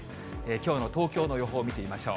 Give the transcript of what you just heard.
きょうの東京の予報を見てみましょう。